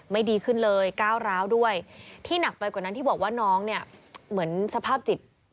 ดีขึ้นเลยก้าวร้าวด้วยที่หนักไปกว่านั้นที่บอกว่าน้องเนี่ยเหมือนสภาพจิต